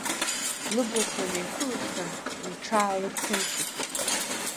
Лыблақәа неиқәылԥсан, лҽаалырҭынчит.